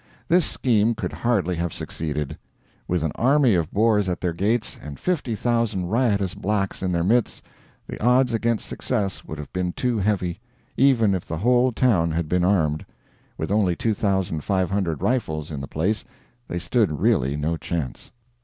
This scheme could hardly have succeeded. With an army of Boers at their gates and 50,000 riotous blacks in their midst, the odds against success would have been too heavy even if the whole town had been armed. With only 2,500 rifles in the place, they stood really no chance.